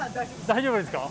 大丈夫ですか。